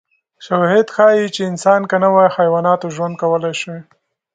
شواهد ښيي چې انسان که نه وای، حیواناتو ژوند کولای شوی.